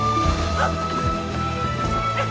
あっ